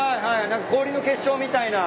何か氷の結晶みたいな。